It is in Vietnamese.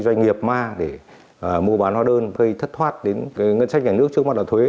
doanh nghiệp ma để mua bán hóa đơn thất thoát đến ngân sách nhà nước trước mặt là thuế